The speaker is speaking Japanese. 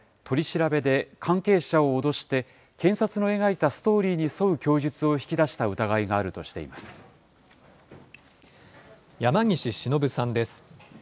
取り調べで、関係者を脅して検察の描いたストーリーに沿う供述を引き出した疑山岸忍さんです。